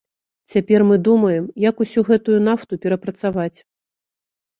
Цяпер мы думаем, як усю гэтую нафту перапрацаваць.